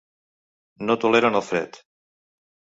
No toleren el fred.